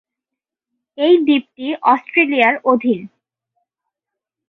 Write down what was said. এই দ্বীপটি অস্ট্রেলিয়ার অধীন।